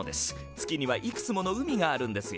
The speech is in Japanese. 月にはいくつもの海があるんですよ。